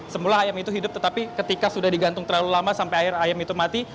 semula ayam itu hidup tetapi ketika sudah digantung terlalu lama sampai air ayam itu mati